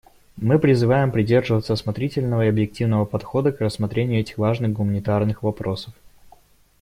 Мы призываем придерживаться осмотрительного и объективного подхода к рассмотрению этих важных гуманитарных вопросов.